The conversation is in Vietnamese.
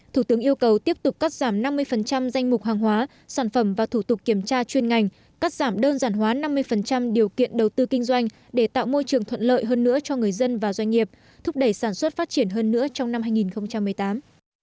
thủ tướng yêu cầu tiếp tục cắt giảm năm mươi danh mục hàng hóa sản phẩm và thủ tục kiểm tra chuyên ngành cắt giảm đơn giản hóa năm mươi điều kiện đầu tư kinh doanh để tạo môi trường thuận lợi hơn nữa cho người dân và doanh nghiệp thúc đẩy sản xuất phát triển hơn nữa trong năm hai nghìn một mươi tám